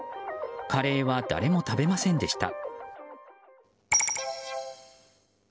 カレーは誰も食べませんでした。